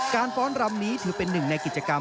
ฟ้อนรำนี้ถือเป็นหนึ่งในกิจกรรม